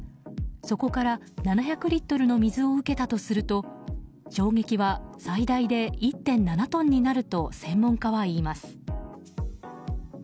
そこから７００リットルの水を受けたとすると衝撃は最大で１．７トンになると専門家は言います。